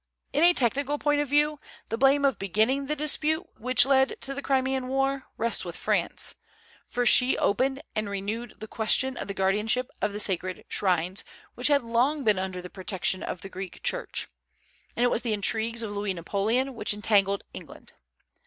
In a technical point of view the blame of beginning the dispute which led to the Crimean war rests with France, for she opened and renewed the question of the guardianship of the sacred shrines, which had long been under the protection of the Greek Church; and it was the intrigues of Louis Napoleon which entangled England.